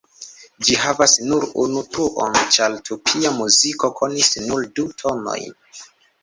Ĝi havas nur unu truon ĉar tupia muziko konis nur du tonojn.